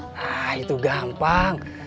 nah itu gampang